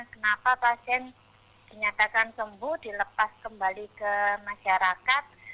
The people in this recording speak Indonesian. kenapa pasien dinyatakan sembuh dilepas kembali ke masyarakat